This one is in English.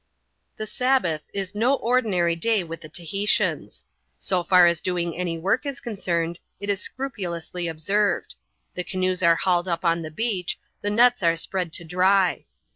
The Sabbath is no ordinary day with the Tahitians. So far as doing any work is concerned, it is scrupulously observed. The canoes are hauled up on the beach ; the nets are spread to dry.